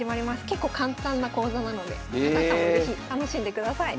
結構簡単な講座なので高橋さんも是非楽しんでください。